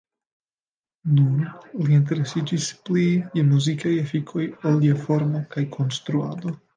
Nun, li interesiĝis pli je muzikaj efikoj ol je formo kaj konstruado.